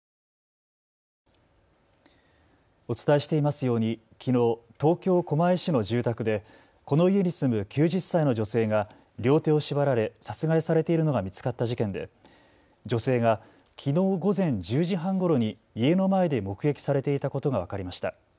お伝えしていますようにきのう東京狛江市の住宅でこの家に住む９０歳の女性が両手を縛られ殺害されているのが見つかった事件で女性がきのう午前１０時半ごろに家の前で目撃されていたことが分かりました。